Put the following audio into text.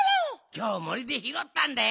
きょう森でひろったんだよ。